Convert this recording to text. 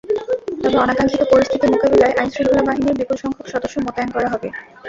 তবে অনাকাঙ্ক্ষিত পরিস্থিতি মোকাবিলায় আইনশৃঙ্খলা বাহিনীর বিপুলসংখ্যক সদস্য মোতায়েন করা হবে।